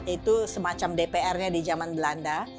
itu semacam dpr nya di zaman belanda